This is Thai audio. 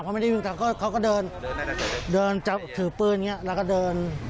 แล้วก็เขาก็เดินเดินจับถือปืนอย่างนี้แล้วก็เดิน